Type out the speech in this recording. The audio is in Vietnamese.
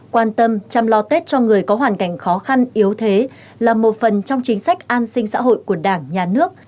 quan tâm chăm lo tết cho người có hoàn cảnh khó khăn yếu thế là một phần trong chính sách an sinh xã hội của đảng nhà nước